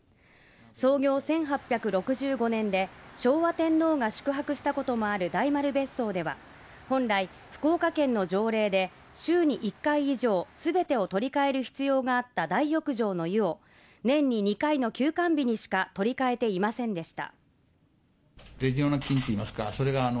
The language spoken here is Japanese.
創業１８６５年昭和天皇が宿泊したこともある大丸別荘では本来福岡県の条例で週に１回以上、全てを取り替える必要があった大浴場の湯を年に２回の休館日にしか取り替えていませんでした。